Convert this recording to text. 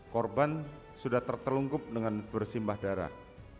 korban sudah tertelungkup dengan bersimbah darah